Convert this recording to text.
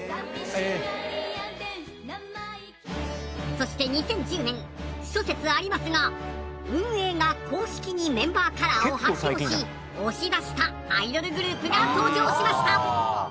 そして２０１０年諸説ありますが運営が公式にメンバーカラーを発表し押し出したアイドルグループが登場しました。